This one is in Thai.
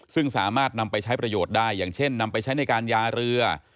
ซึ่งสามารถนำไปใช้ประโยชน์ได้อย่างเช่นนำไปใช้ในการยาเรือ